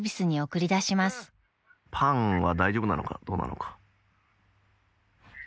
パンは大丈夫なのかどうなのか。